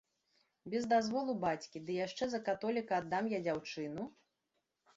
Без дазволу бацькі, ды яшчэ за католіка аддам я дзяўчыну?